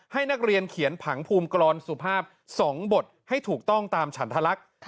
ให้นักเรียนเขียนผังภูมิกรอนสุภาพ๒บทให้ถูกต้องตามฉันทะลักษณ์